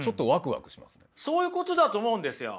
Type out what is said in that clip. そういうことだと思うんですよ。